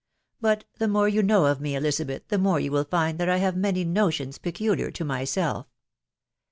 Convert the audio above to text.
But the more you know of me, Elizabeth, the more you will find that I have many notions peculiar to myself.